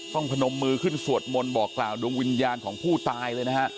พนมมือขึ้นสวดมนต์บอกกล่าวดวงวิญญาณของผู้ตายเลยนะฮะ